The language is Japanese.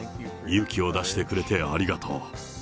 勇気を出してくれてありがとう。